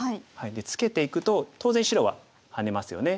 でツケていくと当然白はハネますよね。